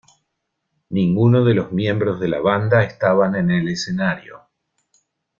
Ninguno de los miembros de la banda estaban en el escenario.